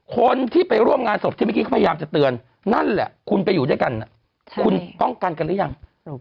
คนที่ไปร่วมงานศพที่เมื่อกี้เขาพยายามจะเตือนนั่นแหละคุณไปอยู่ด้วยกันคุณป้องกันกันหรือยัง